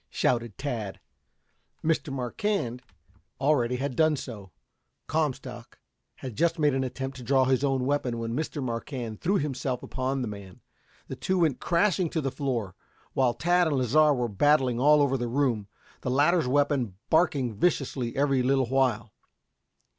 shouted Tad. Mr. Marquand already had done so. Comstock had just made an attempt to draw his own weapon when Marquand threw himself upon the man. The two went crashing to the floor, while Tad and Lasar were battling all over the room, the latter's weapon barking viciously every little while.